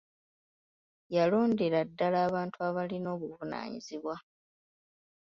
Yalondera ddala abantu abalina obuvunaanyizibwa.